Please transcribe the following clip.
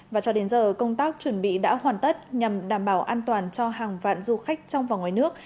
và cho đến giờ công tác chuẩn bị đã hoàn tất nhằm đảm bảo an toàn cho hàng vạn du khách trong và ngoài nước